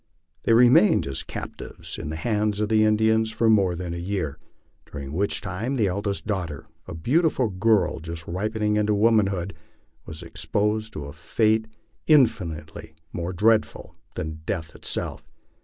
They remained as captives in the hands of the Indians for more than a year, during which time the eldest daughter, a beautiful girl just ripening into womanhood, was exposed to a fate infinitely more dreadful than death itself.